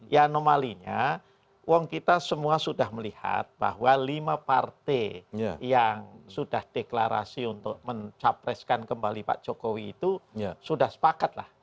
ya anomalinya uang kita semua sudah melihat bahwa lima partai yang sudah deklarasi untuk mencapreskan kembali pak jokowi itu sudah sepakat lah